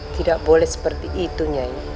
tidak boleh seperti itu nyai